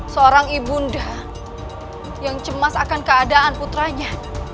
seorang ibunda yang cemas akan keadaan putranya